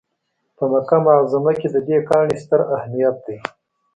په مکه معظمه کې د دې کاڼي ستر اهمیت دی.